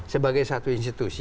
sebagai satu institusi